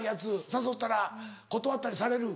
誘ったら断ったりされる？